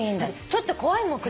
ちょっと怖いもん